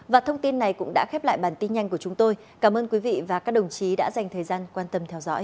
và thông tin này cũng đã khép lại bản tin nhanh của chúng tôi cảm ơn quý vị và các đồng chí đã dành thời gian quan tâm theo dõi